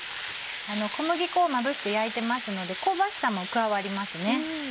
小麦粉をまぶして焼いてますので香ばしさも加わりますね。